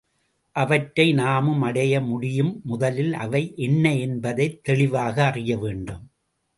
அவற்றை நாமும் அடைய முடியும் முதலில் அவை என்ன என்பதைத் தெளிவாக அறிய வேண்டும்.